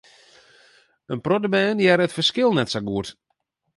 In protte bern hearre it ferskil net sa goed.